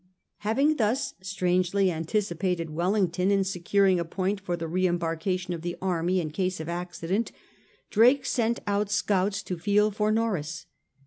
Having thus strangely anticipated Wellington in securing a point for the re embarkation of the army in case of accident^ Drake sent out scouts to feel for Norreys.